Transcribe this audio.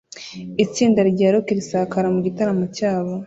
Itsinda rya rock risakara mu gitaramo cyabo